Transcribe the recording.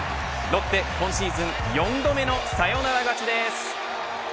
ロッテ、今シーズン４度目のサヨナラ勝ちです。